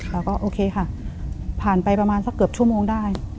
โอเคค่ะผ่านไปประมาณสักเกือบชั่วโมงได้